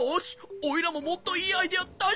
おいらももっといいアイデアだしちゃおう！